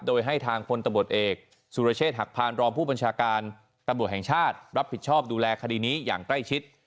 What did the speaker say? โดยให้ทางพลตำรวจเอกสุรเชษฐหักพานรองผู้บัญชาการตำรวจแห่งชาติรับผิดชอบดูแลคดีนี้อย่างใกล้ชิด